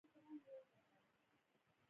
کرکټ ځیني وختونه د شپې هم کیږي.